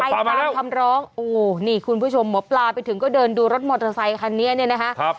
ตามคำร้องโอ้นี่คุณผู้ชมหมอปลาไปถึงก็เดินดูรถมอเตอร์ไซคันนี้เนี่ยนะคะ